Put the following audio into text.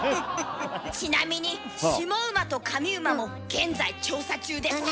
ちなみに下馬と上馬も現在調査中です。